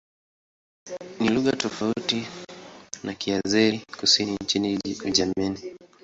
Ni lugha tofauti na Kiazeri-Kusini nchini Uajemi.